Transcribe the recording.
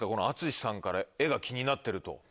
淳さんから絵が気になってると。